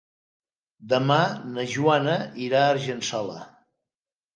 Demà na Joana irà a Argençola.